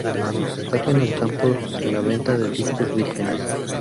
Destaca en el campo de la venta de discos vírgenes.